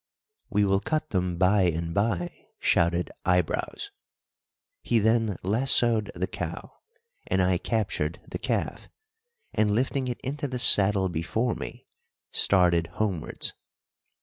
"We will cut them by and by," shouted Eyebrows. He then lassoed the cow, and I captured the calf, and lifting it into the saddle before me, started homewards.